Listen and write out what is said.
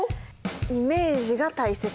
イメージが大切。